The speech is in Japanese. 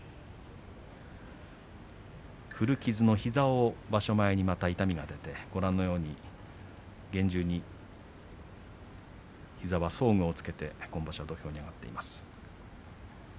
古傷の膝を場所前にまた痛みが出て厳重に膝には装具をつけて土俵に上がっています。